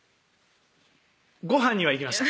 ごはんには行きました